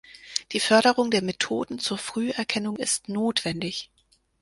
Die Förderung der Methoden zur Früherkennung ist notwendig.